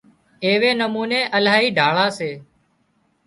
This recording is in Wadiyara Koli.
ايوي نموني الاهي ڍاۯا سي